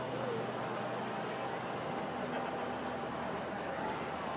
สวัสดีครับ